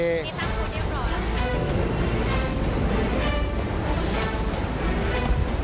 นี่สร้างตัวนี้พอแล้ว